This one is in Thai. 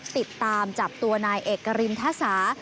ติดตามจับตัวนายเอกรินทสา